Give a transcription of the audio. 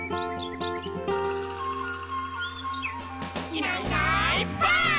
「いないいないばあっ！」